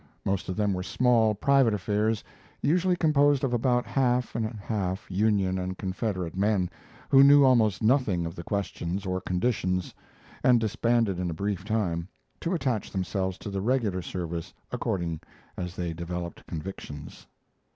Most of them were small private affairs, usually composed of about half and half Union and Confederate men, who knew almost nothing of the questions or conditions, and disbanded in a brief time, to attach themselves to the regular service according as they developed convictions.